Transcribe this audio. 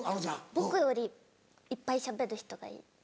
僕よりいっぱいしゃべる人がいい。